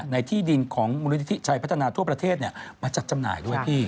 ในที่ดินของมูลนิธิชัยพัฒนาทั่วประเทศมาจัดจำหน่ายด้วยพี่